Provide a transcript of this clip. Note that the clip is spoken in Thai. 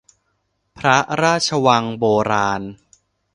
พระราชวังโบราณ